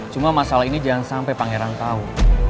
cuma masalah ini jangan sampe pangeran tau